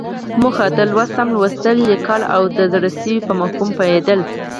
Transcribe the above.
موخه: د لوست سم لوستل، ليکل او د زړه سوي په مفهوم پوهېدل.